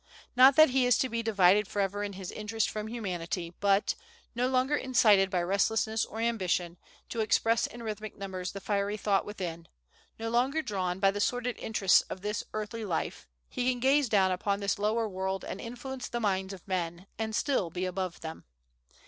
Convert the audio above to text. Not that he is to be divided forever in his interest from Humanity, but, no longer incited by restlessness or ambition, to express in rhythmic numbers the fiery thought within, no longer drawn by the sordid interests of this earthly life, he can gaze down upon this lower world and influence the minds of men, and still be above them.